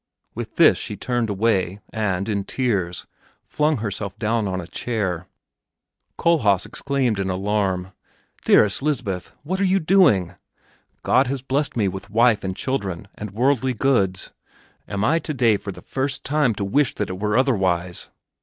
With this she turned away and, in tears, flung herself down on a chair. Kohlhaas exclaimed in alarm, "Dearest Lisbeth, what are you doing? God has blessed me with wife and children and worldly goods; am I today for the first time to wish that it were otherwise?"